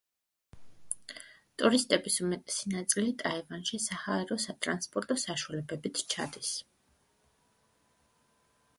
ტურისტების უმეტესი ნაწილი ტაივანში საჰაერო სატრანსპორტო საშუალებებით ჩადის.